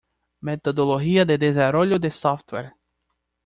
Metodología de desarrollo de software